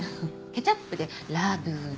ケチャップでラブ。